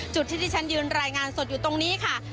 จุดที่ที่ฉันยืนรายงานสดอยู่ตรงนี้ค่ะ